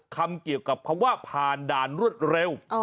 คำเกี่ยวกับคำว่าผ่านด่านรวดเร็ว